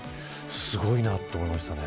すごいなと思いましたね。